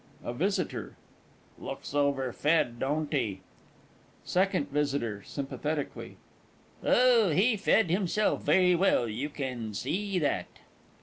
A VISITOR. Looks overfed, don't he? SECOND V. (sympathetically). Oh, he fed himself very well; you can see that.